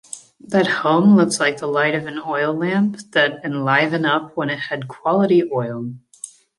That home looked like the light of an oil lamp that enliven up when it had quality oil.